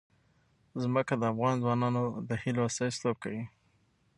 ځمکه د افغان ځوانانو د هیلو استازیتوب کوي.